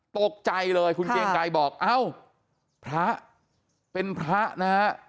ตกใจเลยคุณเกรงไกรบอกเอ้าพระเป็นพระนะฮะ